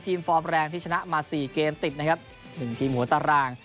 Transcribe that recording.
ทีมฟอร์มแรงที่ชนะมาสี่เกมติดนะครับหนึ่งทีมหัวตาราง